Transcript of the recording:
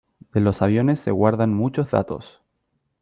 de los aviones se guardan muchos datos .